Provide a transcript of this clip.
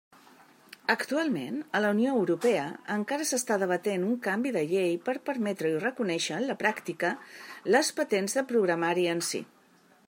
Actualment, a la Unió Europea encara s'està debatent un canvi de llei per permetre i reconèixer en la pràctica les patents de programari en si.